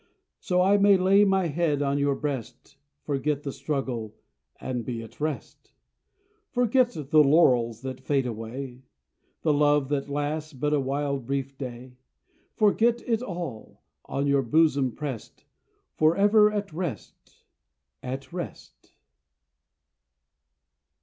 So I may lay my head on your breast, Forget the struggle and be at rest; Forget the laurels that fade away, The love that lasts but a wild, brief day; Forget it all, on your bosom pressed, Forever at rest at rest!